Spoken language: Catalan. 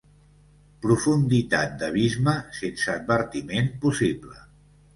Profunditat d'abisme, sense advertiment possible.